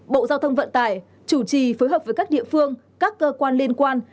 bộ giao thông vận tải chủ trì phối hợp với các địa phương các cơ quan liên quan